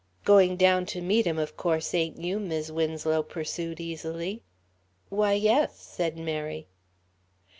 "Going down to meet him of course, ain't you," Mis' Winslow pursued easily. "Why, yes," said Mary.